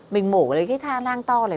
mình mổ cái năng to này